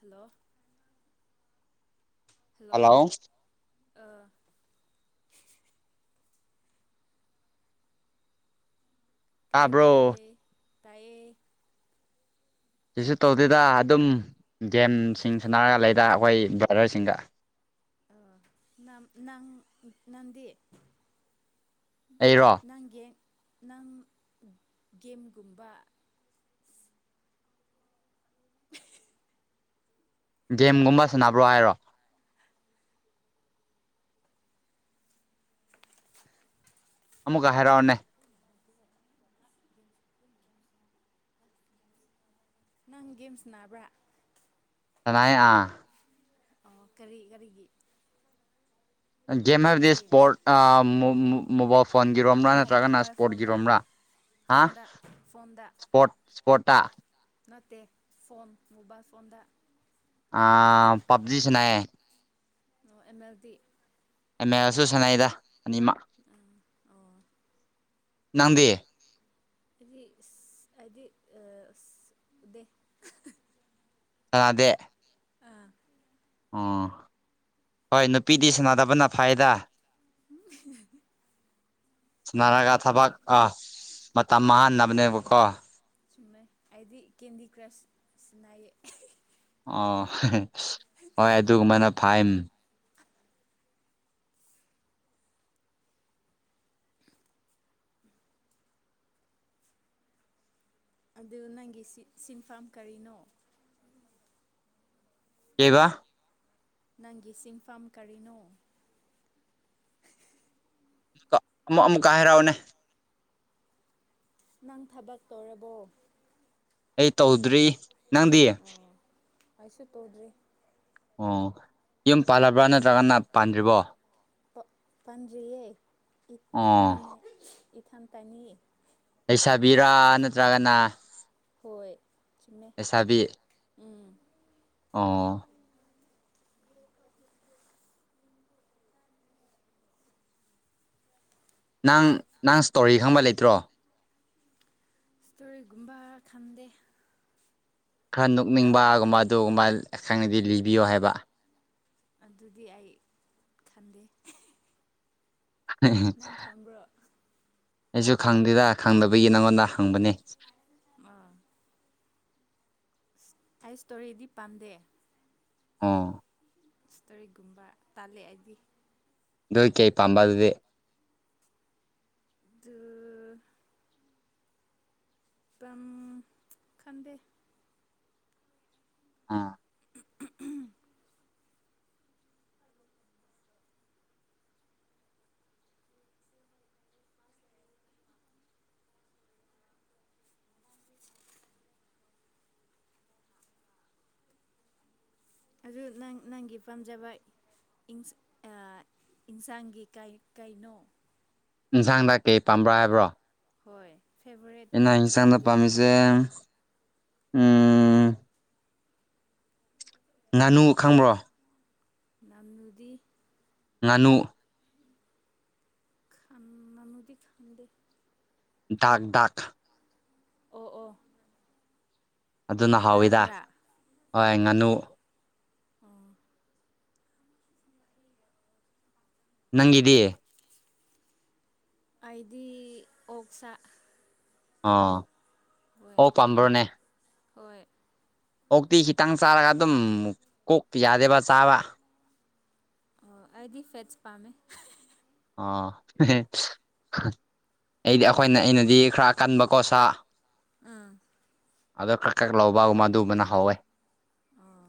hello hello ꯀꯔꯤ ꯇꯥꯕ꯭ꯔꯣ ꯇꯧꯔꯤꯒꯦ ꯇꯥꯏꯌꯦ ꯁꯤꯁꯨ ꯇꯧꯗꯦꯗ ꯑꯗꯨꯝ ꯒꯦꯝꯁꯤꯡ ꯁꯥꯟꯅꯔꯒ ꯂꯩꯗ ꯈꯣꯏ ꯚꯥꯔꯁꯤꯡꯒ ꯑꯝ ꯅꯪ ꯅꯟꯗꯤ ꯑꯩꯔꯣ ꯅꯪꯒꯤ ꯅꯪ ꯒꯦꯝꯒꯨꯝꯕ ꯒꯦꯝꯒꯨꯝꯕ ꯁꯥꯟꯅꯕ꯭ꯔꯣ ꯍꯥꯏꯔꯣ ꯑꯃꯨꯛꯀ ꯍꯥꯏꯔꯥꯛꯑꯣꯅꯦ ꯅꯪ ꯒꯦꯝ ꯁꯅꯥꯕ꯭ꯔꯥ ꯁꯅꯩꯑ ꯑꯣ ꯀꯔꯤ ꯀꯔꯤꯒꯤ ꯒꯦꯝ ꯀꯔꯤ ꯍꯥꯏꯕꯗꯤ ꯒꯦꯝꯁ ꯏꯁꯄꯣꯔꯠ ꯃꯣꯕꯥꯏꯜ ꯐꯣꯟꯒꯤꯔꯣꯝꯕ꯭ꯔꯥ ꯅꯠꯇ꯭ꯔꯒꯅ ꯃꯣꯕꯥꯏꯜ ꯐꯣꯟꯗ ꯏꯁꯄꯣꯔꯠꯀꯤꯔꯣꯝꯕ꯭ꯔꯥ [inaudible] ꯐꯣꯟꯗ ꯐꯣꯟꯗ ꯄꯣ [inaudible] ꯁꯄꯣꯇꯥ ꯅꯠꯇꯦ ꯐꯣꯟ ꯃꯣꯕꯥꯏꯜ ꯐꯣꯟꯗ ꯄꯞꯖꯤꯁꯤꯅꯥꯌꯦ ꯑꯦꯝ ꯑꯦꯜ ꯗꯤ ꯑꯃꯦꯁꯨ ꯁꯅꯥꯏꯗ ꯑꯅꯤꯃꯛ ꯑꯣ ꯅꯪꯗꯦ ꯍꯥꯏꯗꯤ ꯍꯥꯏꯗꯤ ꯗꯦ ꯗꯦ ꯑꯥ ꯑꯣ ꯍꯣꯏ ꯅꯨꯄꯤꯗꯤ ꯁꯥꯟꯅꯗꯕꯅ ꯐꯩꯌꯦꯗ ꯎꯝ ꯁꯔꯒ ꯊꯕꯛ ꯑ ꯃꯇꯝ ꯃꯥꯡꯍꯟꯅꯕꯅꯦꯕꯀꯣ ꯆꯩꯝꯃꯦ ꯐꯩꯗꯤ ꯀꯦꯟꯗꯤ ꯀ꯭ꯔꯁ ꯁꯅꯩ ꯑ ꯍꯣꯏ ꯑꯗꯨꯒꯃꯥꯏꯅ ꯐꯥꯏꯟ ꯑꯗꯨ ꯅꯪꯒꯤ ꯁꯤꯟꯐꯝ ꯀꯔꯤꯅꯣ ꯀꯦꯕ ꯅꯪꯒꯤ ꯁꯤꯟꯐꯝꯥ ꯀꯔꯤꯅꯣ ꯑꯃꯨꯛ ꯑꯃꯨꯛꯀꯥꯏ ꯍꯔꯥꯛꯑꯣꯅꯦ ꯅꯪ ꯊꯕꯛ ꯇꯧꯔꯕꯣ ꯑꯩ ꯇꯧꯗ꯭ꯔꯤ ꯅꯪꯗꯤ ꯐꯩꯁꯨ ꯇꯧꯗ꯭ꯔꯤ ꯑꯣ ꯌꯨꯝ ꯄꯥꯂꯔꯕ꯭ꯔꯥ ꯅꯠꯇ꯭ꯔꯒꯅ ꯄꯥꯟꯗ꯭ꯔꯤꯕꯣ ꯄꯥꯟꯗ꯭ꯔꯤꯌꯦ ꯏꯊ ꯑꯣ ꯏꯊꯟ ꯇꯅꯤ ꯁꯥꯕꯤꯔꯥ ꯅꯠꯇ꯭ꯔꯒꯅ ꯍꯣꯏ ꯁꯤꯃꯦ ꯎꯝ ꯑꯥ ꯅꯪ ꯅꯪ ꯏꯁꯇꯣꯔꯤ ꯈꯪꯕ ꯂꯩꯇ꯭ꯔꯣ ꯏꯁꯇꯣꯔꯣꯔ ꯨꯨꯝꯕꯥ ꯈꯥꯟꯗꯦ ꯈꯔ ꯅꯣꯛꯅꯤꯡꯕꯒꯨꯝꯕ ꯑꯗꯨꯒꯨꯝꯕ ꯈꯪꯅꯗꯤ ꯂꯤꯕꯤꯌꯣ ꯍꯥꯏꯕ ꯑꯗꯨꯗꯤ ꯑꯩ ꯈꯟꯗꯦ ꯅꯪ ꯈꯕ꯭ꯔꯣ ꯑꯩꯁꯨ ꯈꯪꯗꯦꯗ ꯈꯪꯗꯕꯒꯤ ꯅꯪꯉꯣꯟꯗ ꯍꯪꯕꯅꯦ ꯑꯥ ꯑꯩ ꯏꯁꯇꯣꯔꯤꯗꯤ ꯄꯥꯝꯗꯦ ꯑꯥ ꯏꯁꯇꯣꯔꯤꯒꯨꯝꯕ ꯇꯥꯜꯂꯦ ꯑꯩꯗꯤ ꯨꯀꯤꯦ ꯑꯝꯕꯗꯤ ꯑꯗꯨꯒ ꯑꯝ ꯈꯟꯗꯦ ꯑꯥ [unintelligible] ꯑꯗꯨ ꯅꯪ ꯅꯪꯒꯤ ꯄꯥꯝꯖꯕ ꯏꯟꯁꯥꯡꯒꯤ ꯀꯩꯅꯣ ꯌꯦꯟꯁꯥꯡꯗ ꯀꯩ ꯄꯥꯝꯕ꯭ꯔꯥ ꯍꯥꯏꯕ꯭ꯔꯣ ꯍꯣꯏ ꯐꯦꯚꯣꯔꯥꯏꯠ ꯑꯩꯅ ꯏꯟꯁꯥꯡꯗꯤ ꯍꯤꯡꯁꯥꯡꯗꯄꯥꯃꯤꯁꯦ ꯉꯥꯅꯨ ꯈꯪꯕ꯭ꯔꯣ ꯅꯝꯅꯨꯗꯤ ꯉꯥꯅꯨ ꯈꯥꯟ ꯃꯅꯨꯗꯤ ꯈꯥꯟꯗꯦ ꯗꯥꯛ ꯗꯥꯛ ꯑꯣ ꯑꯣ ꯑꯗꯨꯅ ꯍꯥꯎꯋꯤꯗ ꯗꯥꯒ꯭ꯔꯥ ꯍꯣꯏ ꯉꯥꯅꯨ ꯎ ꯅꯪꯗꯦ ꯑꯩꯗꯤ ꯑꯣꯛꯁꯥ ꯑꯥ ꯍꯣꯏ ꯑꯣ ꯄꯝꯕ꯭ꯔꯣꯅꯦ ꯍꯣꯏ ꯑꯣꯛꯇꯤ ꯈꯤꯇꯪ ꯆꯥꯔꯒ ꯑꯗꯨꯝ ꯀꯣꯛ ꯌꯥꯗꯦꯕ ꯆꯥꯕ ꯑꯣ ꯑꯩꯗꯤ ꯐꯦꯠꯁ ꯄꯥꯝꯃꯦ ꯑꯣ ꯑꯩꯗꯤ ꯑꯩꯈꯣꯏꯅ ꯑꯩꯅꯗꯤ ꯈꯔ ꯀꯟꯕꯀꯣ ꯁꯥ ꯑꯝ ꯑꯗꯣ ꯀꯛ ꯀꯛ ꯂꯧꯕꯒꯨꯝꯕ ꯑꯗꯨꯕꯅ ꯍꯧꯥꯎꯋꯦ ꯑꯣ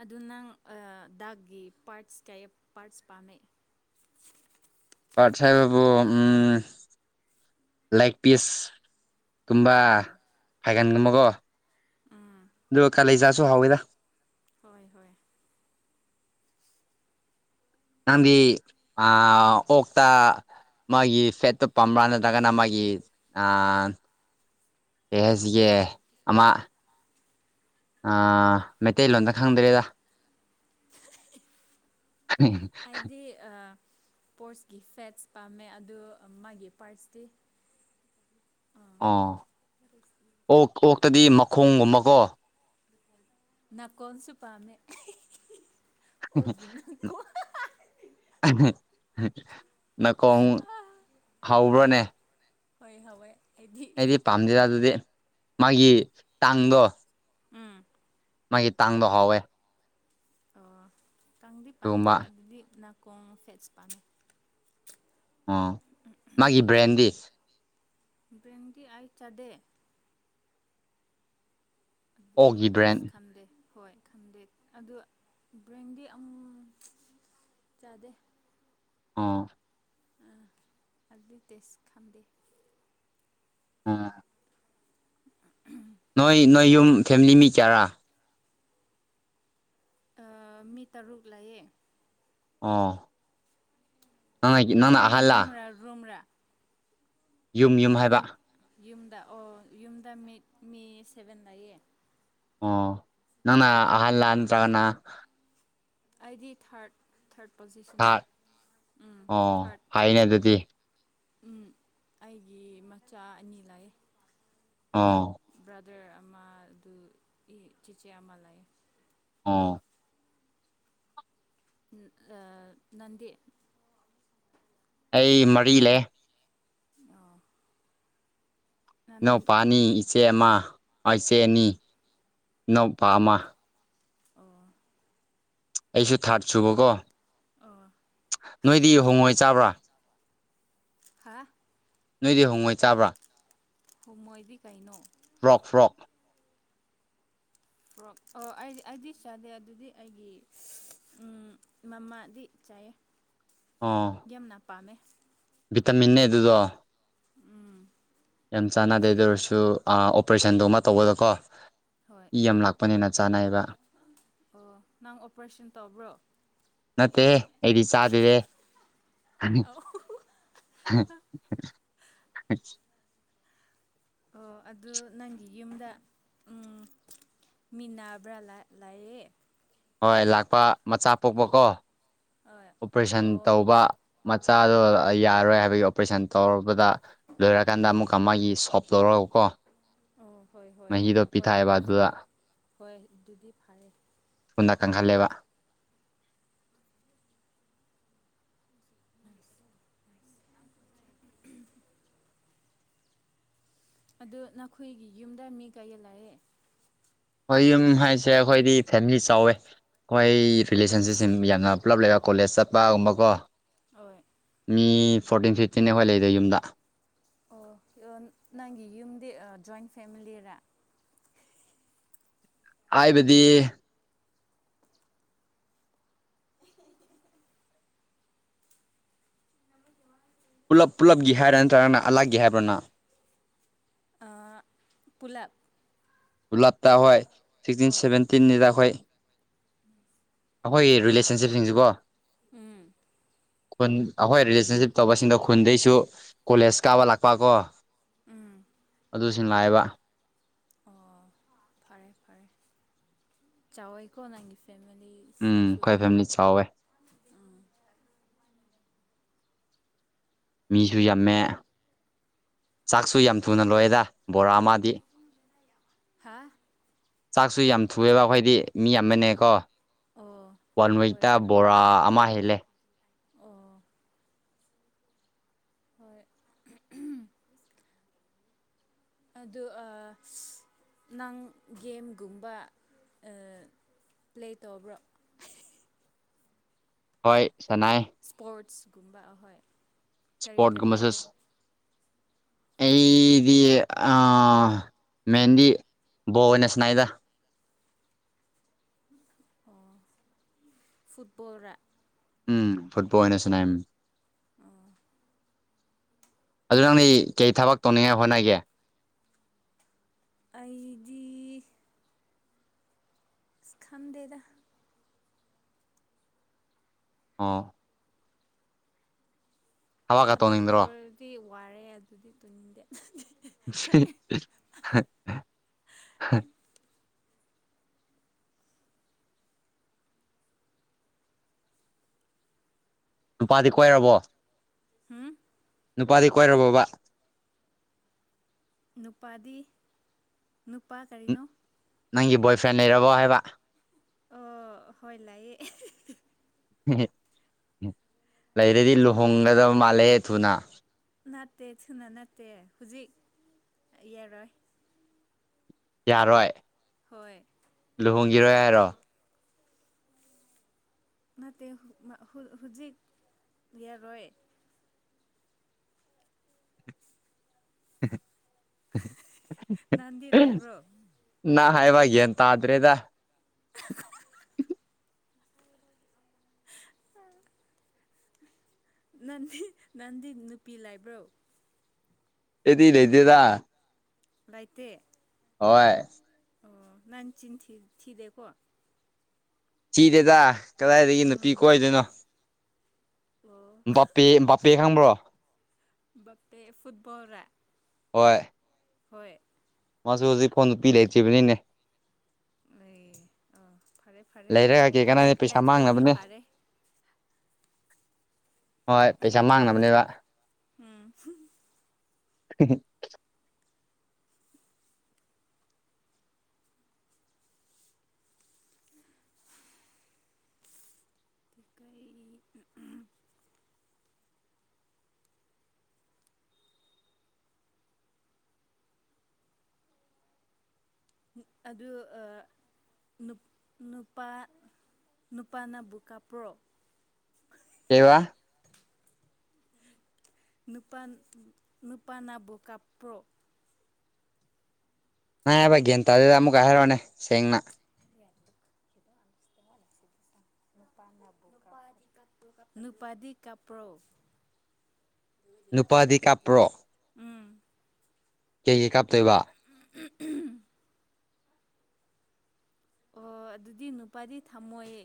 ꯑꯗꯨ ꯅꯪ ꯗꯥꯛꯀꯤ ꯄꯥꯔꯠꯁ ꯀꯌꯥ ꯄꯥꯔꯠꯁ ꯄꯥꯝꯃꯦ [unintelligible] ꯄꯥꯁꯥꯏꯕꯕꯨꯨ ꯂꯦꯛꯒ ꯄꯤꯁ ꯀꯨꯝꯕ ꯑꯥ ꯐꯥꯏꯒꯟꯒꯨꯝꯕꯀꯣ ꯎꯝ ꯑꯗꯨꯒ ꯀꯥꯂꯖꯥꯠꯁꯨ ꯍꯧꯥꯎꯋꯤꯗ ꯍꯣꯏ ꯍꯣꯏ ꯅꯗꯤ ꯑ ꯑꯣꯣꯛꯇꯥ ꯃꯥꯒꯤ ꯐꯦꯠꯇꯣ ꯄꯥꯝꯕ꯭ꯔꯥ ꯅꯠꯇ꯭ꯔꯒꯅ ꯃꯥꯒꯤ ꯑꯦꯍꯦꯁ ꯌꯦꯦ ꯑꯃꯥꯡ ꯑꯥ ꯃꯩꯇꯩꯂꯣꯟꯣꯝꯗ ꯈꯪꯗ꯭ꯔꯦꯗ ꯍꯥꯏꯗꯤ ꯄꯣꯔꯠꯁꯀꯤ ꯐꯦꯠꯁ ꯄꯥꯝꯃꯦ ꯑꯗ ꯃꯥꯒꯤ ꯄꯥꯔꯠꯁꯇꯤ ꯑꯥ ꯑꯣꯛ ꯑꯣꯛꯇꯗꯤ ꯃꯈꯣꯡꯒꯨꯝꯕꯀꯣ ꯅꯅꯥ ꯀꯣꯟꯣꯟꯁꯨ ꯄꯥꯟꯃꯦ [unintelligible] ꯅꯥꯀꯣꯡ ꯍꯧꯕ꯭ꯔꯅꯦ ꯍꯣꯏ ꯍꯣꯏ ꯑꯩꯗꯤ ꯄꯥꯝꯗꯔꯥ ꯑꯗꯨꯗꯤ ꯃꯥꯒꯤ ꯆꯥꯡꯗꯣ ꯎꯝ ꯃꯥꯒꯤ ꯇꯥꯡꯗꯣ ꯍꯥꯎꯋꯦ ꯑꯣ ꯇꯥꯡꯗꯤ ꯄꯥꯝꯗꯦ ꯑꯗꯨꯒꯨꯝꯕ ꯑꯗꯨ ꯑꯗꯨꯗꯤ ꯅꯀ ꯐꯦꯠ ꯆꯄꯝꯃꯦ ꯑꯥ ꯃꯥꯒꯤ ꯕ꯭ꯔꯦꯟꯗꯤꯦꯁ ꯕ꯭ꯔꯦꯟꯗꯤ ꯑꯩ ꯆꯗ ꯑꯗꯨ ꯑꯣꯛꯒꯤ ꯕ꯭ꯔꯦꯟ ꯇꯦꯁ ꯈꯝꯗꯦ ꯍꯣꯏ ꯈꯟꯗꯦ ꯑꯗꯣ ꯕ꯭ꯔꯦꯟꯗꯤ ꯑꯃꯨ ꯆꯗꯦ ꯑꯥ [unintelligible] ꯑꯥ ꯅꯣꯏ ꯅꯣꯏ ꯌꯨꯝ ꯐꯦꯃꯤꯂꯤ ꯃꯤ ꯆꯔꯥ ꯃꯤ ꯇꯔꯨꯛ ꯂꯩꯌꯦ ꯑꯥ ꯌꯨꯝ ꯌꯨꯝ ꯔꯥ ꯌꯨꯝ꯭ꯔꯥ ꯌꯨꯝ ꯌꯨꯝ ꯍꯥꯏꯕ ꯌꯨꯝꯗ ꯑꯣ ꯌꯨꯝꯗ ꯃꯤ ꯃꯤ ꯁꯚꯦꯟꯗꯌꯦ ꯑꯣ ꯅꯪꯅ ꯑꯍꯜꯂꯅ ꯇꯥꯒꯅ ꯑꯩꯗꯤ ꯊꯥꯔꯠ ꯊꯥꯔꯠ ꯄꯣꯖꯤꯁꯟꯅꯦ ꯎꯝ ꯑꯣ ꯊꯥꯔꯠ ꯍꯥꯏꯅꯦ ꯑꯗꯨꯗꯤ ꯑꯩꯒꯤ ꯃꯆꯥ ꯑꯅꯤ ꯂꯥꯛꯑꯦ ꯑꯥ ꯆ꯭ꯔꯗꯔ ꯑꯃ ꯑꯗꯨ ꯆꯤꯆꯦ ꯑꯃ ꯂꯩ ꯑꯥ ꯅꯟꯗꯤ ꯑꯩ ꯃꯔꯤ ꯂꯩ [unintelligible] ꯅꯟ ꯏꯅꯎꯄꯥꯅꯤ ꯏꯆꯦ ꯑꯃ ꯏꯆꯦꯅꯤ ꯑꯣ ꯏꯅꯎꯄꯥ ꯑꯃ ꯑꯣ ꯑꯩꯁꯨ ꯊꯥꯔꯠ ꯁꯨꯕꯀꯣ ꯑ ꯅꯣꯏꯗꯤꯨ ꯍꯣꯡꯉꯣꯏ ꯆꯥꯕ꯭ꯔꯥ ꯍꯥ ꯅꯣꯏꯗꯤ ꯍꯣꯡꯉꯣꯏ ꯆꯥꯕ꯭ꯔꯥ ꯍꯣꯏ ꯃꯣꯏꯗꯤ ꯀꯩꯅꯣ [unintelligible] ꯄꯨ ꯑꯣ ꯑꯩꯗꯤ ꯑꯩꯗꯤ ꯆꯥꯗꯦ ꯑꯗꯨꯗꯤ ꯑꯩꯒꯤ ꯃꯃꯥꯗꯤ ꯆꯥꯏꯌꯦ ꯑꯥ ꯄꯅꯦ ꯕꯤꯇꯃꯤꯟꯅꯦ ꯑꯗꯨꯗꯣ ꯎꯝ ꯌꯥꯝ ꯆꯥꯟꯅꯗꯦ ꯑꯗꯨ ꯑꯣꯏꯔꯁꯨ ꯑꯣꯄꯔꯦꯁꯟꯗꯣ ꯑꯃ ꯇꯧꯕꯗꯀꯣ ꯍꯣꯏ ꯏ ꯑꯃ ꯂꯥꯛꯄꯅꯤꯅ ꯆꯥꯅꯥꯏꯕ ꯑꯣ ꯅꯪ ꯑꯣꯄꯔꯦꯁꯟ ꯇꯧꯕ꯭ꯔꯣ ꯅꯠꯇꯦ ꯑꯩꯗꯤ ꯆꯥꯗꯔꯦ [unintelligible] ꯑꯣ ꯑꯗꯨ ꯅꯪꯒꯤ ꯌꯨꯝꯗ ꯎ ꯃꯤꯅꯥꯕ꯭ꯔꯥꯥ ꯂꯌꯦ ꯍꯣꯏ ꯂꯥꯛꯄ ꯃꯆꯥ ꯄꯣꯛꯄꯀꯣ ꯍꯣꯏ ꯑꯣꯄꯔꯦꯁꯟ ꯑꯣ ꯇꯧꯕ ꯃꯆꯥꯗꯣ ꯌꯥꯔꯣꯏ ꯍꯥꯏꯕꯒꯤ ꯑꯣꯄꯔꯦꯁꯟ ꯇꯧꯔꯨꯔꯕꯗ ꯂꯣꯏꯔꯀꯥꯟꯗ ꯑꯣ ꯑꯃꯨꯛꯀ ꯃꯥꯒꯤ ꯁꯣꯞ ꯂꯧꯔꯒꯀꯣ ꯑꯣ ꯍꯣꯏ ꯍꯣꯏ ꯃꯍꯤꯗꯣ ꯍꯣꯏ ꯄꯤꯊꯥꯏꯑꯕꯗꯨꯗ ꯍꯣꯏ ꯑꯗꯨꯗꯤ ꯐꯔꯦ ꯆꯪꯍꯜꯂꯦꯕ ꯑꯗꯨ ꯅꯈꯣꯏꯒꯤ ꯌꯨꯝꯗ ꯃꯤ ꯀꯩꯌꯦꯜꯂꯑꯦ ꯣꯏ ꯌꯨꯝ ꯍꯥꯏꯁꯦ ꯑꯩꯈꯣꯏꯗꯤ ꯐꯦꯃꯤꯂꯤ ꯆꯥꯎꯋꯦ ꯑꯩꯈꯣꯏ ꯔꯤꯂꯦꯁꯟꯁꯤꯞꯁꯤ ꯌꯥꯝꯅ ꯄꯨꯂꯞ ꯂꯩꯕ ꯀꯣꯂꯦꯖ ꯆꯠꯄꯒꯨꯝꯕꯀꯣ ꯍꯣꯏ ꯃꯤ ꯐꯣꯔꯇꯤꯟ ꯐꯤꯐꯇꯤꯟꯦ ꯑꯩꯈꯣꯏ ꯂꯩꯗꯦ ꯌꯨꯝꯗ ꯑꯣ ꯅꯪꯒꯤ ꯌꯨꯝꯗꯤ ꯖꯣꯏꯟ ꯐꯦꯃꯤꯂꯤꯔꯥ ꯍꯥꯏꯕꯗꯤ ꯄꯨꯂꯞ ꯄꯨꯜꯂꯞꯀꯤ ꯍꯥꯏꯔꯥ ꯅꯠꯇ꯭ꯔꯒꯅ ꯑꯂꯥꯛꯀꯤ ꯍꯥꯏꯕ꯭ꯔꯅ ꯄꯨꯂꯞ ꯂꯥꯞꯇ ꯑꯩꯈꯣꯏ ꯁꯤꯛꯁꯇꯤꯟ ꯍꯣꯏ ꯁꯚꯦꯟꯇꯤꯟꯅꯤꯗ ꯑꯩꯈꯣꯏ ꯑꯩꯈꯣꯏꯒꯤ ꯑꯣ ꯔꯤꯂꯦꯁꯟꯁꯤꯞꯁꯤꯡꯁꯤꯕꯣ ꯎꯝ ꯈꯨꯟ ꯑꯩꯈꯣꯏ ꯔꯤꯂꯦꯁꯟꯁꯤꯞ ꯇꯧꯕꯁꯤꯡꯗ ꯈꯨꯟꯗꯩꯁꯨ ꯀꯣꯂꯦꯖ ꯀꯥꯕ ꯂꯥꯛꯄ ꯀꯣ ꯎꯝ ꯑꯗꯨꯁꯤꯡ ꯂꯥꯛꯑꯕ ꯑꯣ ꯐꯔꯦ ꯐꯔꯦ ꯆꯥꯎꯋꯦꯀꯣ ꯅꯪꯒꯤꯁꯤ ꯎꯝ ꯈꯣꯏ ꯐꯦꯃꯥꯂꯤ ꯆꯥꯎꯋꯦ ꯎꯝ ꯃꯤꯁꯨ ꯌꯥꯝꯃꯦ ꯆꯥꯛꯁꯨ ꯌꯥꯝ ꯊꯨꯅ ꯂꯣꯏꯑꯦꯗ ꯕꯣꯔꯥ ꯑꯃꯥ ꯍꯥ ꯆꯥꯛꯁꯨ ꯌꯥꯝ ꯊꯨꯌ‌ꯦꯕ ꯑꯩꯈꯣꯏꯗꯤ ꯃꯤ ꯌꯥꯝ ꯑꯃꯅꯦꯀꯣ ꯑꯣ ꯋꯥꯟ ꯍꯣꯏ ꯋꯤꯛꯇ ꯍꯣꯏ ꯕꯣꯔꯥ ꯑꯃ ꯍꯦꯜꯂꯦ ꯑꯣ ꯍꯣꯏ ꯑꯗꯨ ꯑꯥ ꯅꯪ ꯒꯦꯝꯒꯨꯝꯕ ꯄ꯭ꯂꯦ ꯇꯧꯕ꯭ꯔꯣ ꯎꯝ ꯍꯣꯏ ꯁꯥꯟꯅꯩ ꯏꯁꯄꯣꯔꯠꯁꯒꯨꯝꯕ ꯑꯍꯣꯏ ꯀꯔꯤ ꯏꯁ꯭ꯄꯣꯠꯒ ꯀꯔꯤ ꯃꯁꯦꯁ [unintelligible] ꯑꯩꯗꯤ ꯃꯍꯗꯤ ꯣꯅ ꯁꯅꯥꯏꯗ ꯑꯣ ꯐꯨꯠꯕꯜ ꯔ ꯎꯝ ꯐꯨꯠꯕꯣꯜ ꯑꯣꯏꯅ ꯁꯅꯏꯝ ꯑꯣ ꯑꯗꯨ ꯅꯪꯗꯤ ꯑꯩ ꯀꯔꯤ ꯊꯕꯛ ꯇꯧꯅꯤꯡꯉꯥꯏ ꯍꯣꯠꯅꯒꯦ ꯑꯩꯗꯤ ꯈꯪꯗꯦꯗꯥ ꯑꯥ ꯊꯕꯛꯀ ꯊꯕꯛ ꯇꯧꯅꯤꯡꯗ꯭ꯔꯣ ꯇꯧꯔꯗꯤ ꯋꯥꯔꯦ ꯑꯗꯨꯗꯤ ꯇꯨꯅꯤꯡꯗꯦ ꯀꯥꯏ [unintelligible] ꯅꯨꯄꯥꯗꯤ ꯀꯣꯏꯔꯥꯕꯣ ꯑꯝ ꯅꯨꯄꯥꯗꯤ ꯀꯣꯏꯔꯕꯣꯕꯥ ꯅꯨꯄꯥꯗꯤ ꯅꯨꯄꯥ ꯀꯔꯤꯅꯣ ꯅꯪꯒꯤ ꯕꯣꯏꯐ꯭ꯔꯦꯟ ꯂꯩꯔꯕꯣ ꯍꯥꯏꯕꯥ ꯑꯣ ꯍꯣꯏ ꯂꯑꯌꯦ ꯎꯝ ꯂꯩꯔꯗꯤ ꯂꯨꯍꯣꯡꯒꯗꯕ ꯃꯥꯜꯂꯦ ꯊꯨꯅꯥ ꯅꯠꯇꯦ ꯊꯨꯅ ꯅꯠꯇꯦ ꯍꯧꯖꯤꯛ ꯌꯥꯔꯣꯏ ꯌꯥꯔꯣꯏ ꯍꯣꯏ ꯂꯨꯍꯣꯡꯈꯤꯔꯣꯏ ꯍꯥꯏꯔꯣ ꯅꯇꯦ ꯍꯨ ꯃꯥ ꯍꯨꯜ ꯍꯨꯖꯤꯛ ꯌꯔꯣꯏ ꯅꯥꯟꯗꯤ ꯂꯩꯕ꯭ꯔꯣ ꯅꯥ ꯍꯥꯏꯕꯥ ꯒꯌꯥꯟ ꯇꯗ꯭ꯔꯦꯗꯥ [inaudible] ꯅꯟꯗꯤ ꯅꯟꯗꯤ ꯅꯨꯄꯤ ꯂꯥꯏꯕ꯭ꯔꯣ ꯑꯦꯗꯤ ꯂꯩꯗꯦꯗ ꯂꯥꯏꯇꯦ ꯍꯣꯏ ꯑꯣ ꯅꯟ ꯆꯤꯟ ꯊꯤ ꯊꯤꯗꯦꯀꯣ ꯆꯤꯗꯦꯗꯥ ꯀꯗꯥꯏꯗꯒꯤ ꯅꯨꯄꯤ ꯎꯝ ꯀꯣꯏꯗꯣꯅꯣ ꯑꯣ ꯕꯥꯄꯦ ꯕꯥꯄꯦ ꯈꯪꯕ꯭ꯔꯣ ꯚꯄꯦ ꯐꯨꯠꯕꯣ ꯔꯥ ꯍꯣꯏ ꯍꯣꯏ ꯃꯥꯁꯨ ꯍꯣꯖꯤꯛ ꯐꯥꯎ ꯅꯨꯄꯤ ꯂꯩꯇ꯭ꯔꯤꯕꯅꯤꯅꯦ ꯂꯩꯌꯦ ꯑ ꯐꯔꯦ ꯐꯔꯦ ꯂꯩꯔꯒ ꯀꯩ ꯂꯥꯏ ꯀꯥꯟꯅꯅꯤ ꯄꯩꯁꯥ ꯂꯥꯏꯇꯦꯗꯤ ꯃꯥꯡꯅꯕꯅꯦ ꯐꯥꯔꯦ ꯍꯣꯏ ꯄꯩꯁꯥ ꯃꯥꯡꯅꯕꯅꯦꯕ ꯍꯤꯍꯤ ꯇꯨ ꯀꯩ ꯎꯝ ꯎꯝ‌ꯝ ꯎꯝ ꯑꯗꯨ ꯑ ꯅꯨꯞ ꯅꯨꯄꯥ ꯅꯨꯄꯥꯅꯕꯨ ꯀꯞꯄ꯭ꯔꯣ [inaudible] [inaudible] ꯀꯦꯋꯥ ꯅꯨꯄꯥꯟ ꯎꯝ ꯅꯨꯄꯥꯅꯕꯨ ꯀꯞꯄ꯭ꯔꯣ ꯅꯕꯥ ꯒꯌꯥꯟꯇꯥꯥꯗꯦꯗ ꯑꯃꯨꯛꯀ ꯍꯥꯏꯔꯣꯅꯦ ꯁꯦꯡꯅ ꯅꯨꯄꯥꯗꯤ ꯀꯞꯄꯔꯣ ꯅꯨꯄꯥꯗꯤ ꯀꯥꯞꯄꯔꯣ ꯎꯝ ꯀꯩꯒꯤ ꯀꯞꯇꯣꯏꯕ ꯑꯣ ꯑꯗꯨꯗꯤ ꯅꯨꯄꯥꯗꯤ ꯊꯝꯃꯣꯏ